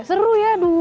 seru ya aduh